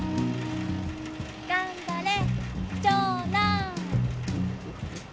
頑張れ！